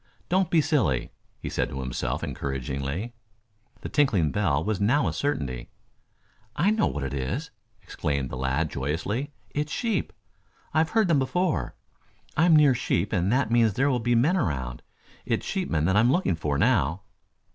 Don't be silly," he said to himself encouragingly. The tinkling bell was now a certainty. "I know what it is!" exclaimed the lad joyously. "It's sheep! I've heard them before. I'm near sheep and that means there will be men around. It's sheepmen that I am looking for now."